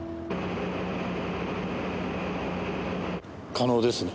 可能ですね。